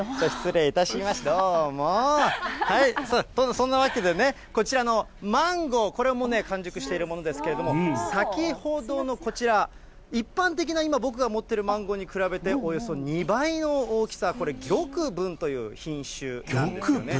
そんなわけでね、こちらのマンゴー、これ、もうね、完熟しているものなんですけどね、先ほどのこちら、一般的な今、僕が持っているマンゴーに比べて、およそ２倍の大きさ、これ、玉文という品種なんですね。